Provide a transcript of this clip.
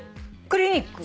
「クリニック」